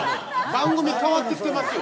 番組変わってきてますよ